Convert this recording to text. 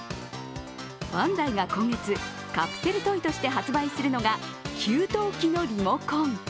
バンダイが今月、カプセルトイとして発売するのが給湯器のリモコン。